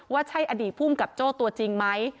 ว่าใช่อดีตภูมิกับโจ้ตัวจริงไหม